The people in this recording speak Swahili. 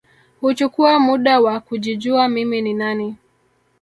Huchukua muda wa kujijua mimi ni nani